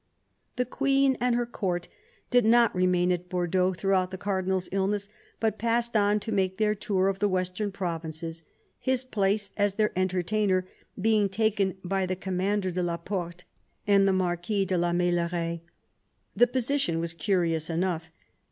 The Queen and her Court did not remain at Bordeaux throughout the Cardinal's illness, but passed on to make their tour of the western provinces, his place as their entertainer being taken by the Commander de la Porte and the Marquis de la Meilleraye. The position was curious enough.